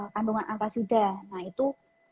kandungan alka sida nah itu